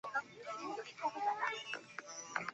完唇裂腹鱼为辐鳍鱼纲鲤形目鲤科的其中一种。